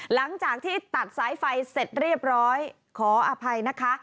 หลังจากที่ตัดสายไฟเสร็จเรียบร้อยขออภัยนะคะ